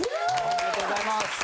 ありがとうございます。